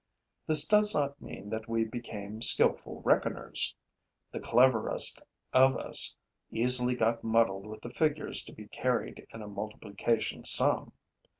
This does not mean that we became skilful reckoners. The cleverest of us easily got muddled with the figures to be carried in a multiplication sum.